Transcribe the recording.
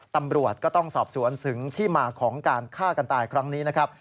ตำรวจก็ต้องสอบสวนถึงที่มาของการฆ่ากันตายครั้งนี้นะครับ